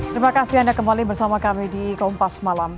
terima kasih anda kembali bersama kami di kompas malam